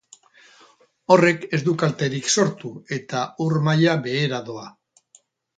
Horrek ez du kalterik sortu eta ur maila behera doa.